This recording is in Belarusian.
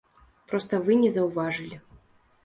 Проста вы не заўважылі.